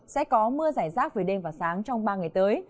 sẽ có mưa giải rác về đêm và sáng trong ba ngày tới